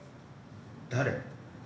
誰？